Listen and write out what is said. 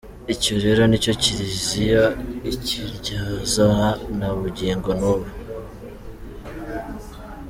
Icyo rero nicyo Kiliziya ikiryozwa na bugingo n’ubu.